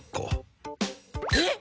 えっ？